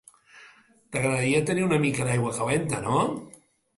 T'agradaria tenir una mica d'aigua calenta, no?